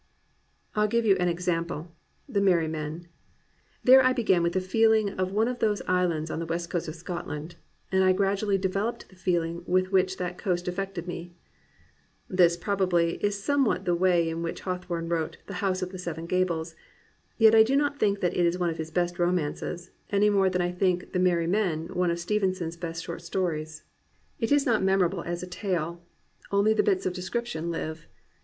I'll give you an example — The Merry Men. There I began with the feeling of one of those islands on the west coast of Scotland, and I gradually devel oped the feeling with which that coast affected me." This, probably, is somewhat the way in which Hawthorne WTote The House of the Seven Gables; yet I do not think that is one of his best romances, any more than I think The Merry Men one of Ste venson's best short stories. It is not memorable 381 COMPANIONABLE BOOKS as a tale. Only the bits of description live.